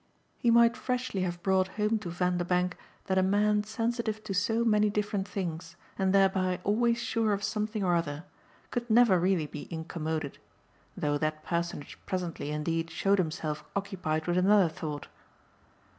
He might freshly have brought home to Vanderbank that a man sensitive to so many different things, and thereby always sure of something or other, could never really be incommoded; though that personage presently indeed showed himself occupied with another thought.